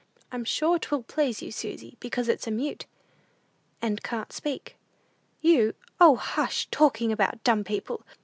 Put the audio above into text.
I'm sure 'twill please you, Susy, because it's a mute, and can't speak. You " "O, hush talking about dumb people!